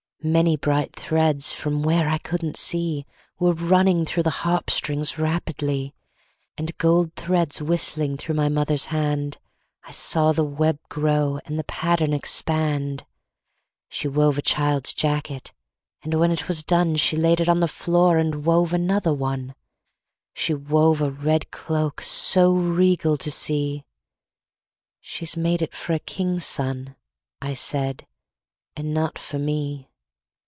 Many bright threads, From where I couldn't see, Were running through the harp strings Rapidly, And gold threads whistling Through my mother's hand. I saw the web grow, And the pattern expand. She wove a child's jacket, And when it was done She laid it on the floor And wove another one. She wove a red cloak So regal to see, "She's made it for a king's son," I said, "and not for me."